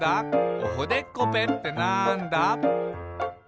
「おほでっこぺってなんだ？」